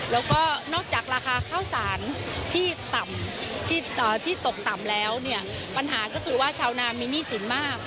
แล้วก็นอกจากราคาข้าวสารที่ต่ำที่ตกต่ำแล้วเนี่ยปัญหาก็คือว่าชาวนามีหนี้สินมาก